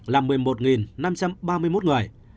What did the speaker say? là một mươi một năm trăm ba mươi một người